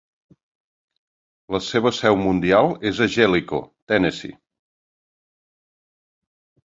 La seva seu mundial és a Jellico, Tennessee.